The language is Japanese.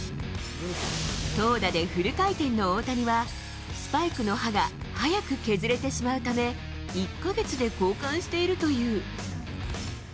投打でフル回転の大谷は、スパイクの歯が早く削れてしまうため、１か月で交換しているという。